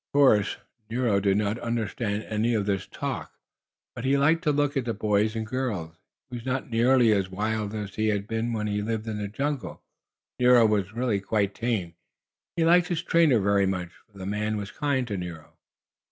Of course Nero did not understand any of this talk, but he liked to look at the boys and girls, and he was not nearly as wild as he had been when he lived in the jungle. Nero was really quite tame, and he liked his trainer very much, for the man was kind to Nero.